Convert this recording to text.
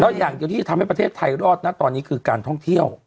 อย่างเดียวที่จะทำให้ประเทศไทยรอดนะตอนนี้คือการท่องเที่ยว